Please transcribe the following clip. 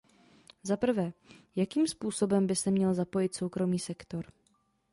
Zaprvé, jakým způsobem by se měl zapojit soukromý sektor?